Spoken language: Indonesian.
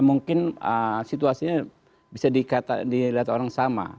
mungkin situasinya bisa dilihat orang sama